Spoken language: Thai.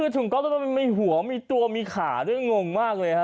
ทุ่งก็อพมันมีหัวมีตัวมีข่าด้วยงงมากเลย